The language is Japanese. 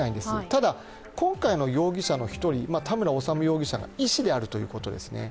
ただ今回の容疑者の１人、田村修容疑者は医師であるということですね。